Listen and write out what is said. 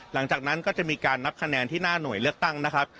หลังจากนั้นก็จะมีการนับคะแนนที่หน้าหน่วยเลือกตั้งนะครับ